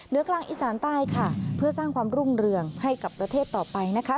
กลางอีสานใต้ค่ะเพื่อสร้างความรุ่งเรืองให้กับประเทศต่อไปนะคะ